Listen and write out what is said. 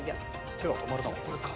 手が止まるな。